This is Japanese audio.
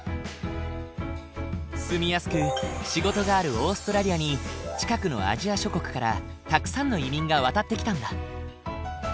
住みやすく仕事があるオーストラリアに近くのアジア諸国からたくさんの移民が渡ってきたんだ。